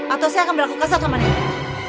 atau saya akan berlaku kesat sama nenek